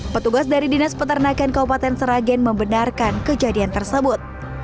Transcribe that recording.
petugas dari dinas peternakan kabupaten seragen membenarkan kejadian tersebut